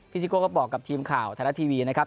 พี่ซิโก้ก็บอกกับทีมข่าวธนาทีวีนะครับ